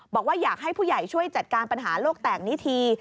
บอกว่าอยากให้ผู้ใหญ่ช่วยจัดการปัญหาโลกแตกนิธี